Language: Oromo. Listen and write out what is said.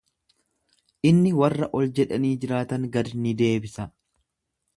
Inni warra ol jedhanii jiraatan gad ni deebisa.